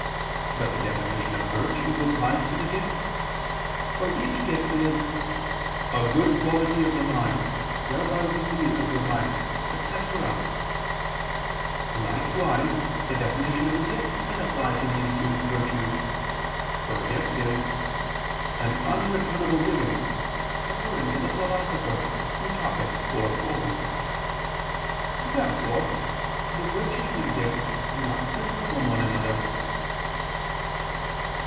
But the definition of virtue applies to the gifts; for each gift is "a good quality of the mind, whereby we lead a good life," etc. [*Cf. Q. 55, A. 4]. Likewise the definition of a gift can apply to the infused virtues: for a gift is "an unreturnable giving," according to the Philosopher (Topic. iv, 4). Therefore the virtues and gifts do not differ from one another.